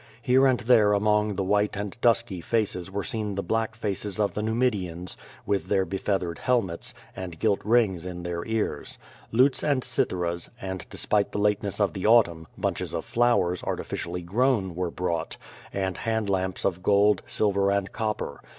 Here and there among the white and dusky faces were seen the black faces of the Nu midians, with their befeathered helmets, and gilt rings in their ears. Lutes and citheras, and despite the lateness of the autumn, bunches of flowers artificially grown were brought, and hand lamps of gold, silver and copper.